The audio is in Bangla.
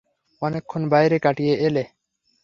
অনেকক্ষণ বাইরে কাটিয়ে এলে।